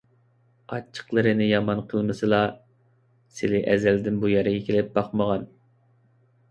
ئاچچىقلىرىنى يامان قىلمىسىلا، سىلى ئەزەلدىن بۇ يەرگە كېلىپ باقمىغان.